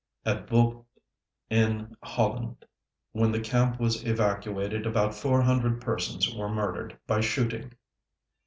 At Vught, in Holland, when the camp was evacuated about 400 persons were murdered by shooting.